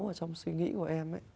là cái suy nghĩ của em